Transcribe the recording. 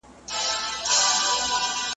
فساد د ټولو بدبختیو سرچینه ده.